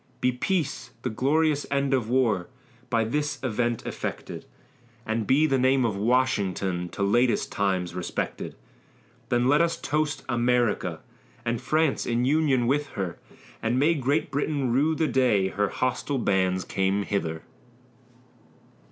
Be peace, the glorious end of war, By this event effected; And be the name of Washington To latest times respected; Then let us toast America, And France in union with her; And may Great Britain rue the day Her hostile bands came hither.